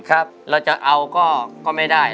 ครับเราจะเอาก็ไม่ได้